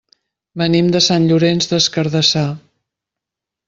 Venim de Sant Llorenç des Cardassar.